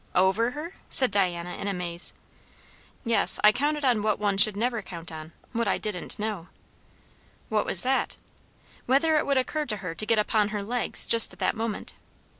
"Over her?" said Diana in a maze. "Yes. I counted on what one should never count on what I didn't know." "What was that?" "Whether it would occur to her to get upon her legs, just at that moment."